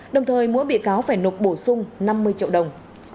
đồng thời mỗi bị cáo phải nộp bổ sung năm mươi triệu đồng